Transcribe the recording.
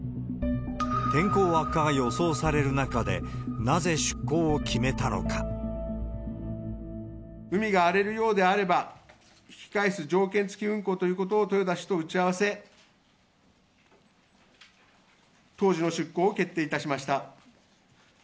天候悪化が予想される中で、海が荒れるようであれば、引き返す条件付き運航ということを豊田氏と打ち合わせ、当時の出航を決定いたしました。